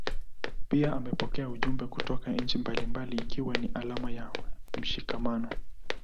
Pia amepokea ujumbe kutoka nchi mbalimbali ikiwa ni alama ya mshikamano